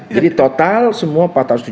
jadi total semua empat ratus tujuh puluh dua